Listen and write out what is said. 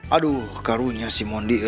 aduh karunya si mondi